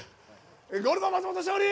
ゴルゴ松本勝利！